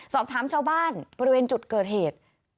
สอบถามชาวบ้านบริเวณจุดเกิดเหตุ